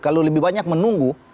kalau lebih banyak menunggu